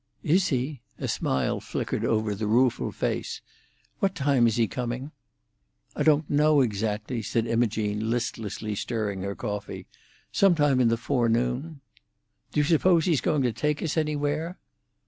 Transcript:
"Is he?" A smile flickered over the rueful face. "What time is he coming?" "I don't know exactly," said Imogene, listlessly stirring her coffee. "Some time in the forenoon." "Do you suppose he's going to take us anywhere?"